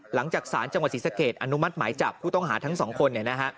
หลังจากสารจังหวัดศรีสะเกดอนุมัติหมายจับผู้ต้องหาทั้งสองคน